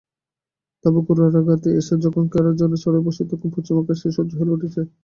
তারপর গুদারাঘাটে এসে যখন খেয়াযানে চড়ে বসি তখন পশ্চিমাকাশে সূর্য হেলে পড়েছে।